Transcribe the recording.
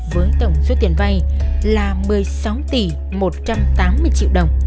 với tổng số tiền vay là một mươi sáu tỷ một trăm tám mươi triệu đồng